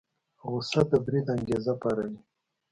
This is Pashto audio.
غوسه د بريد انګېزه پاروي.